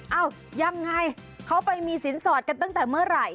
เอ้ายังไงเขาไปมีสินสอดกันตั้งแต่เมื่อไหร่